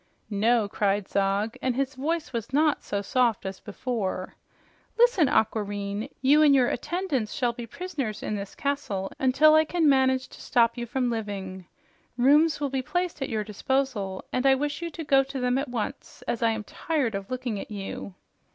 "No!" cried Zog, and his voice was not so soft as before. "Listen, Aquareine, you and your attendants shall be prisoners in this castle until I can manage to stop you from living. Rooms will be placed at your disposal, and I wish you to go to them at o nce, as I am tired of looking at you."